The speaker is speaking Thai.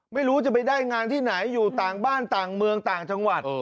ไม่รู้จะไปได้งานที่ไหนอยู่ต่างบ้านต่างเมืองต่างจังหวัด